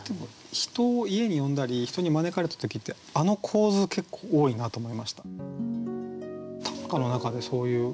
人を家に呼んだり人に招かれた時ってあの構図結構多いなと思いました。